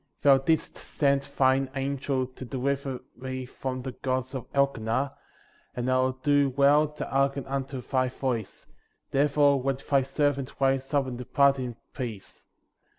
Thou didst send thine angel* to deliver me from the gods of Elkenah, and I will do well to hearken unto thy voice, therefore let thy servant rise up and depart in peace.